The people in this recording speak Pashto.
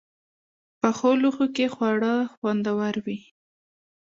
پخو لوښو کې خواړه خوندور وي